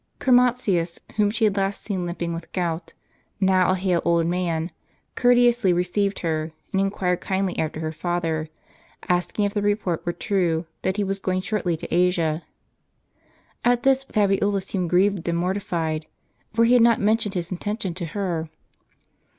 Chromatius, whom she had last seen limping with gout, now a hale old man, courteously received her, and inquired kindly after her father, asking if the report were true that he was going shortly to Asia. At this Fabiola seemed grieved and mortified ; for he had not mentioned his intention to her.